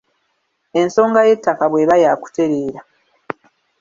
Ensonga y’ettaka bw’eba ya kutereera